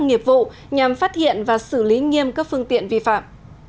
nghiệp vụ nhằm phát hiện và xử lý nghiêm các phương tiện vi phạm